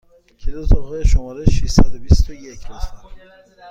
کلید اتاق شماره ششصد و بیست و یک، لطفا!